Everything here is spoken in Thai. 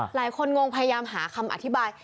หลายคนงงพยายามหาคำอธิบาย